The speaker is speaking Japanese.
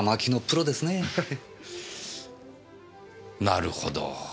なるほど。